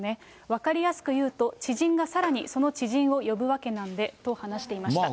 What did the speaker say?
分かりやすく言うと、知人がさらにその知人を呼ぶわけなんでと話していました。